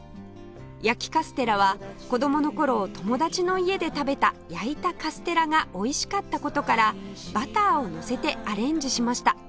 焼きカステラは子供の頃友達の家で食べた焼いたカステラがおいしかった事からバターをのせてアレンジしました